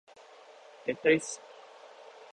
เตตริส !